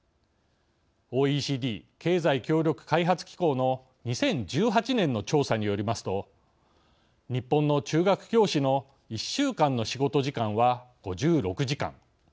ＯＥＣＤ経済協力開発機構の２０１８年の調査によりますと日本の中学教師の１週間の仕事時間は５６時間。